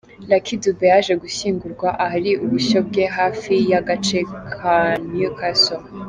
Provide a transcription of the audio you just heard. Lucky Dube yaje gushyingurwa ahari ubushyo bwe hafi y’agace ka Newcastle.